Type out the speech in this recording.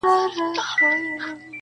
چي راسره وه لکه غر درانه درانه ملګري,